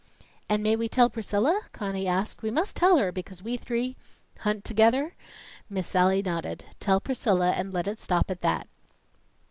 "And may we tell Priscilla?" Conny asked. "We must tell her because we three " "Hunt together?" Miss Sallie nodded. "Tell Priscilla, and let it stop at that."